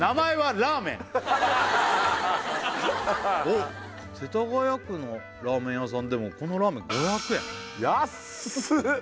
ラーメンおっ世田谷区のラーメン屋さんでもこのラーメン５００円安っ！